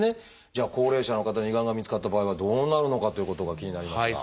じゃあ高齢者の方に胃がんが見つかった場合はどうなるのかということが気になりますが。